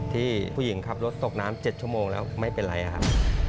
ที่ผู้หญิงขับรถตกน้ำ๗ชั่วโมงแล้วไม่เป็นไรครับ